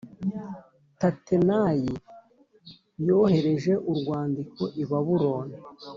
Tatenayi yohereje urwandiko i Babuloni